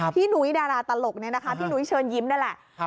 หนุ้ยดาราตลกเนี่ยนะคะพี่หนุ้ยเชิญยิ้มนั่นแหละ